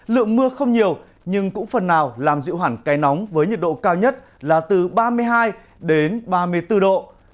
lượng mưa không nhiều nhưng cũng phần nào làm dịu hẳn cây nóng với nhiệt độ cao nhất là từ ba mươi hai đến ba mươi bốn độ